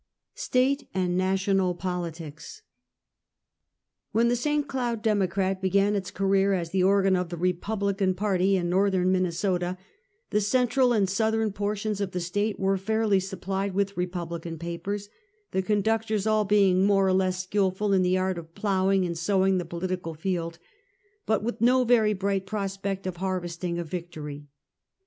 STATE AND NATIONAL POLITICS. "When The St. Cloud Democrat began its career as the organ of the Republican party in ISTorthern Min nesota, the central and southern portions of the Sfate were fairly su2:)pliecl with republican papers, the con ductors all being more or less skillful in the art of plowing and sowing the political field; but with no very bright prospect of harvesting a victory.